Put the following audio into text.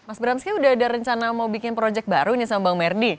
mas bramsky udah ada rencana mau bikin project baru nih sama bang merdi